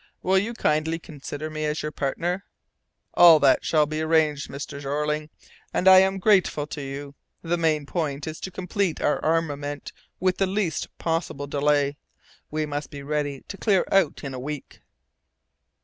Will you kindly consider me as your partner?" "All that shall be arranged, Mr. Jeorling, and I am very grateful to you. The main point is to complete our armament with the least possible delay. We must be ready to clear out in a week."